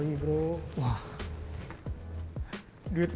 kita harus memiliki kekuatan yang baik